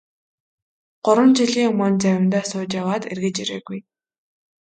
Гурван жилийн өмнө завиндаа сууж яваад эргэж ирээгүй.